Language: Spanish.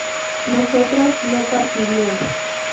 nosotras no partiríamos